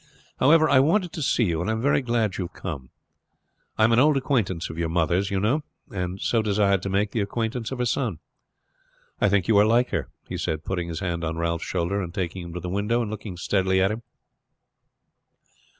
However, I wanted to see you, and I am very glad you have come. I am an old friend of your mother's, you know, and so desired to make the acquaintance of her son. I think you are like her," he said, putting his hand on Ralph's shoulder and taking him to the window and looking steadily at him.